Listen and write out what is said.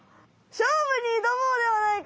勝負に挑もうではないか！